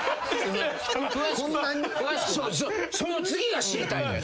その次が知りたいのよ。